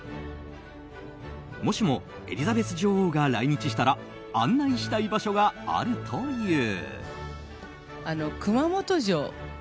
もしもエリザベス女王が来日したら案内したい場所があるという。